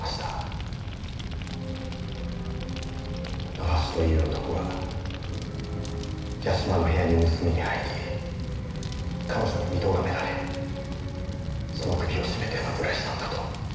野橋という男が屋島の部屋に盗みに入り彼女に見とがめられその首を絞めて殺害したんだと。